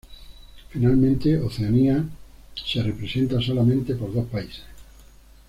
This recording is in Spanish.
Finalmente, Oceanía es representado solamente por dos países.